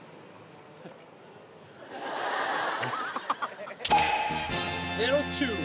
ハハハハ！